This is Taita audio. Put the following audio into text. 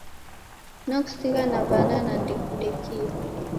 Nakusigha na w'ana na ndekudekie